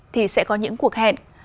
thì sẽ có những cuộc hẹn